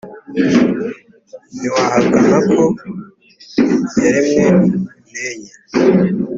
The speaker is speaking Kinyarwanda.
ntiwahakana ko yaremwe n’enye